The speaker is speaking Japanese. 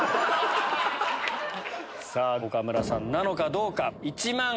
さぁ岡村さんなのかどうか。